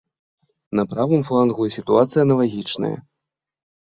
На правым флангу сітуацыя аналагічная.